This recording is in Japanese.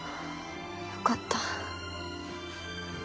よかった。